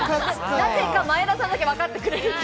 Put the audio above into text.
なぜか前田さんだけわかってくれました。